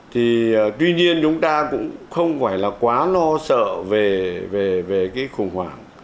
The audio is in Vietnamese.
thì tuy nhiên chúng ta cũng không phải là quá lo sợ về cái khủng hoảng